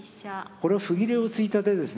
これは歩切れをついた手ですね。